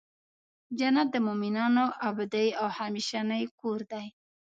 جنت د مؤمنانو ابدې او همیشنی کور دی .